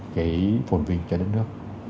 cái phồn vinh cho đất nước